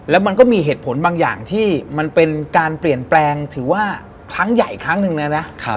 แล้วมันก็มีเหตุผลบางอย่างที่มันเป็นการเปลี่ยนแปลงถือว่าครั้งใหญ่อีกครั้งหนึ่งแล้วนะ